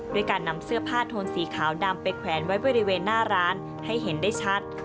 ด้วยการนำเสื้อผ้าโทนสีขาวดำไปแขวนไว้บริเวณหน้าร้านให้เห็นได้ชัด